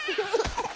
ハハハハ！